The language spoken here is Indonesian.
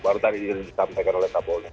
baru tadi disampaikan oleh kapolri